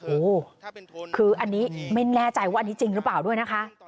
โอ้โหคืออันนี้ไม่แน่ใจว่าอันนี้จริงหรือเปล่าด้วยนะคะ